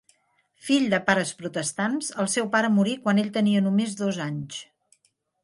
Fill de pares protestants, el seu pare morí quan ell tenia només dos anys.